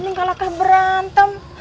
kita harus berantem